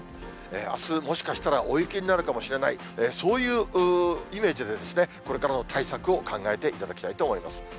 あす、もしかしたら大雪になるかもしれない、そういうイメージで、これからの対策を考えていただきたいと思います。